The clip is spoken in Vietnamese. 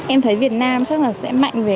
em thấy việt nam chắc là sẽ mạnh